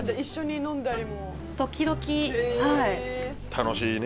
楽しいね。